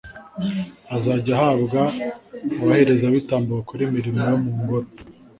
azajya ahabwa abaherezabitambo bakora imirimo yo mu ngoro